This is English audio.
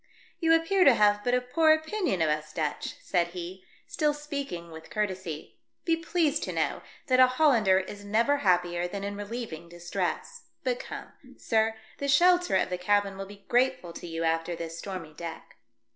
" You appear to have but a poor opinion of us Dutch," said he, still speaking with courtesy ; "be pleased to know that a Hollander is never happier than in relieving distress. But come, sir, the shelter of the cabin will be grateful to you after this stormy deck."